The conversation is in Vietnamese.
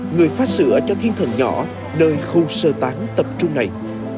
người phát sửa cho thiên thần nhỏ nơi khu sơ tán tập trung này